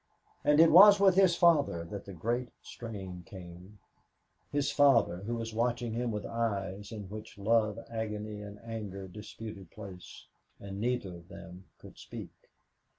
But it was with his father that the great strain came his father who was watching him with eyes in which love, agony and anger disputed place, and neither of them could speak.